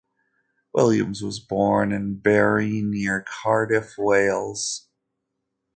Williams was born in Barry, near Cardiff, Wales.